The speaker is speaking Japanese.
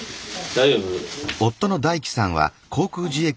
大丈夫。